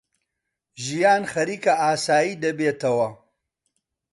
ژیان خەریکە ئاسایی دەبێتەوە.